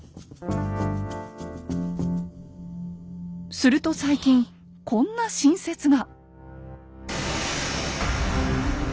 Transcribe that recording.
すると最近こんな新説が。